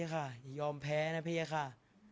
สงฆาตเจริญสงฆาตเจริญ